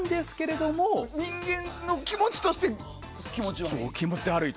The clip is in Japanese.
人間の気持ちとして気持ち悪い。